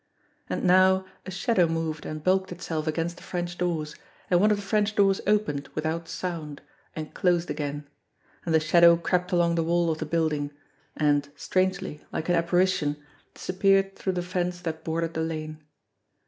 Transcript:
And now a shadow moved and bulked itself against the French doors, and one of the French doors opened without sound and closed again, and the shadow crept along the wall of the building, and strangely, like an apparition, disappeared through the fence that bordered the lane.